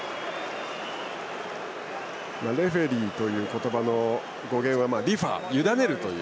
レフリーという言葉の語源はリファゆだねるという。